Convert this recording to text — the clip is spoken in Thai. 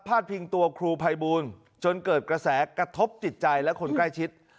พิงตัวครูภัยบูลจนเกิดกระแสกระทบจิตใจและคนใกล้ชิด